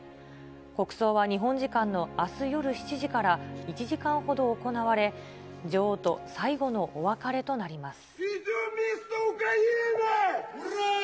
国葬は日本時間のあす夜７時から１時間ほど行われ、女王と最後のお別れとなります。